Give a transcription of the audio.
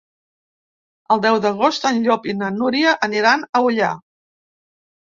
El deu d'agost en Llop i na Núria aniran a Ullà.